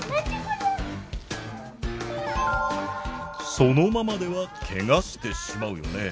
そのままではケガしてしまうよね。